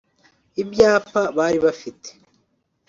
Ibyapa bari bafite